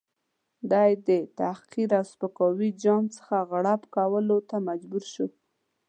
دی د تحقیر او سپکاوي جام څخه غوړپ کولو ته مجبور شو.